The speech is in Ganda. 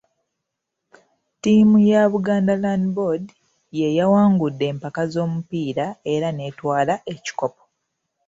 Ttiimu ya Buganda Land Board y'eyawangudde empaka z'omupiira era n'etwala ekikopo.